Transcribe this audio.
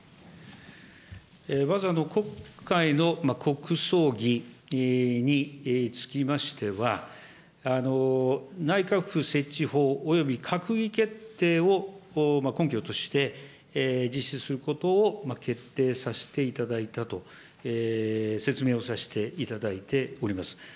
まず今回の国葬儀につきましては、内閣府設置法および閣議決定を根拠として実施することを決定させていただいたと、説明をさせていただいております。